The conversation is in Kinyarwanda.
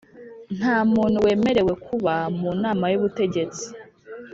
Nta muntu wemerewe kuba mu nama y ubutegetsi